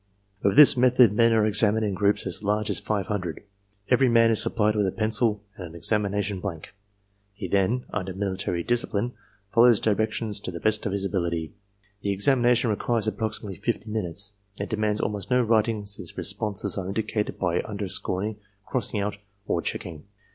With this method men are examined in groups as large as five hundred. Every man is supplied with a pencil and an examination blank. He then, under military discipline, follows directions to the best of his ability. The examination requires approximately fifty minutes. It demands almost no writing since responses are indicated by underscoring, crossing out, or checking.